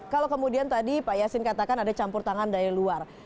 kalau kemudian tadi pak yasin katakan ada campur tangan dari luar